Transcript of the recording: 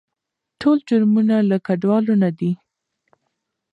ټول جرمونه له کډوالو نه دي.